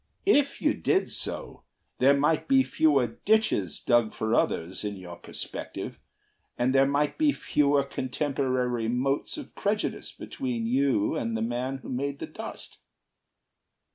If you did so, There might be fewer ditches dug for others In your perspective; and there might be fewer Contemporary motes of prejudice Between you and the man who made the dust.